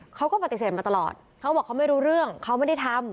เขาก็ปฏิเสธมาตลอดเขาบอกเขาไม่รู้เรื่องเขาไม่ได้ทำ